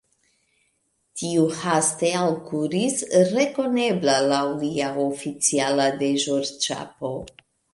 Tiu haste alkuris, rekonebla laŭ lia oficiala deĵorĉapo.